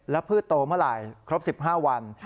พืชโตเมื่อไหร่ครบ๑๕วัน